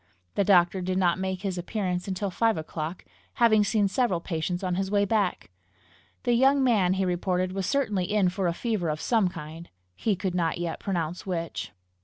The doctor did not make his appearance until five o'clock, having seen several patients on his way back. The young man, he reported, was certainly in for a fever of some kind he could not yet pronounce which.